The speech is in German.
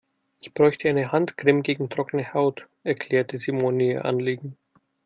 "Ich bräuchte eine Handcreme gegen trockene Haut", erklärte Simone ihr Anliegen.